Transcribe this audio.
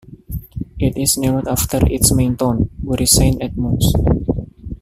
It is named after its main town, Bury Saint Edmunds.